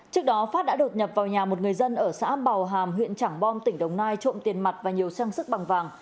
trước đó phát đã đột nhập vào nhà một người dân ở xã bào hàm huyện trảng bom tỉnh đồng nai trộm tiền mặt và nhiều trang sức bằng vàng